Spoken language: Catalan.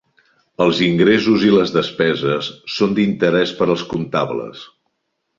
Els ingressos i les despeses són d'interès per als comptables.